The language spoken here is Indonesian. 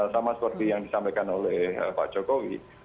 sama seperti yang disampaikan oleh pak jokowi